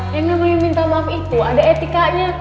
yang namanya minta maaf itu ada etikanya